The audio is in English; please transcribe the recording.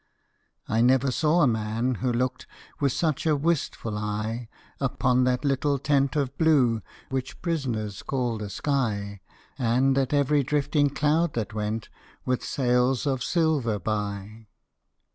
I never saw a man who looked With such a wistful eye Upon that little tent of blue Which prisoners call the sky, And at every drifting cloud that went With sails of silver by.